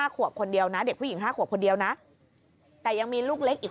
ขวบคนเดียวนะเด็กผู้หญิง๕ขวบคนเดียวนะแต่ยังมีลูกเล็กอีก